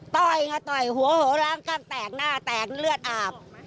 ต้อยไงต้อยหัวหัวล้ำกล้ามแตกหน้าแตกเลือดอาบ